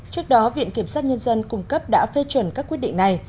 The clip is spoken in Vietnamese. trước đó viện kiểm sát nhân dân cung cấp đã phê chuẩn các quyết định này